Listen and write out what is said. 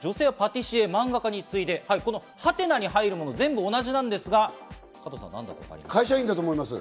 女性はパティシエ、漫画家に次いで「？」に入るものは全部同じなんですが、加藤さん、なんだと思いますか？